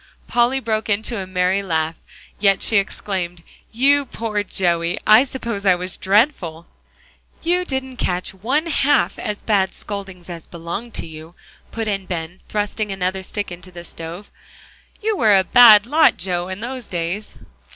Polly broke into a merry laugh; yet she exclaimed, "You poor Joey, I suppose I was dreadful!" "You didn't catch one half as bad scoldings as belonged to you," put in Ben, thrusting another stick in the stove. "You were a bad lot, Joe, in those days."